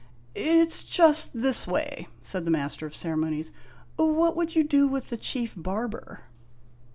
"It 's just this way," said the Master of Ceremonies; "what would you do with the Chief Barber?'